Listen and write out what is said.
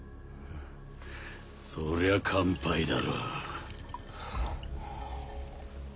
そりゃ乾杯だろ。